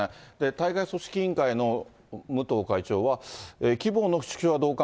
大会組織委員会の武藤会長は、規模の縮小は同感。